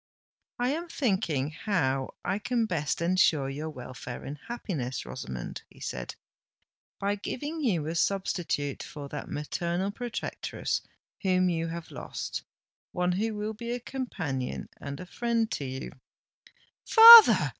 "I am thinking how I can best ensure your welfare and happiness, Rosamond," he said, "by giving you a substitute for that maternal protectress whom you have lost—one who will be a companion and a friend to you——" "Father!"